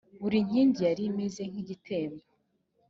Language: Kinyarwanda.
buri nkingi yari imeze nk igitembo